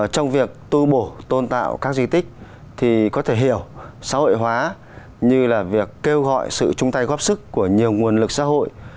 trong việc tu bổ tôn tạo các di tích thì có thể hiểu xã hội hóa như là việc kêu gọi sự chung tay góp sức của nhiều nguồn lực xã hội